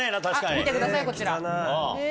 見てくださいこちら。